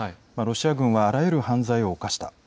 ロシア軍はあらゆる犯罪を犯した。